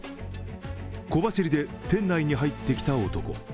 小走りで店内に入ってきた男。